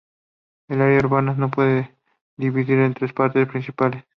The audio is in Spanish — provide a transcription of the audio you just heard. El área urbana se puede dividir en tres partes principales.